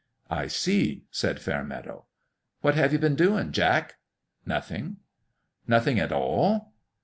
" I see," said Fairmeadow. " What have you been doing, Jack ?"" Nothing." "Nothing at all?"